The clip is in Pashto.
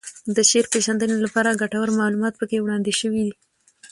د شعر پېژندنې لپاره ګټور معلومات پکې وړاندې شوي